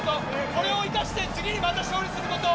これを生かして次にまた勝利すること。